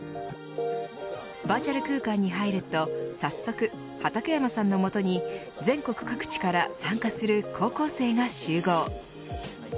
バーチャル空間に入ると早速畠山さんのもとに全国各地から参加する高校生が集合。